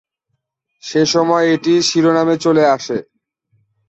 সেসময় এটি শিরোনামে চলে আসে।